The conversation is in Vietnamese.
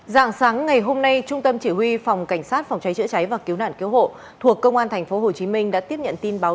dạng sáng ngày hôm nay trung tâm chỉ huy phòng cảnh sát phòng cháy chữa cháy và cứu nạn cứu hộ thuộc công an tp hcm đã tiếp nhận tin báo